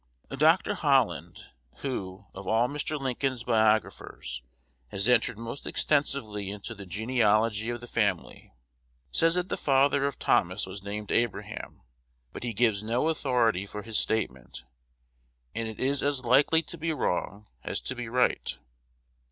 Dr. Holland, who, of all Mr. Lincoln's biographers, has entered most extensively into the genealogy of the family, says that the father of Thomas was named Abraham; but he gives no authority for his statement, and it is as likely to be wrong as to be right.